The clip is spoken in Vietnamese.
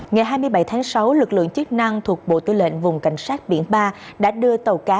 ngày hai mươi bảy tháng sáu lực lượng chức năng thuộc bộ tư lệnh vùng cảnh sát biển ba đã đưa tàu cá